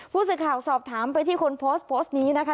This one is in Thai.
ผู้สื่อข่าวสอบถามไปที่คนโพสต์โพสต์นี้นะคะ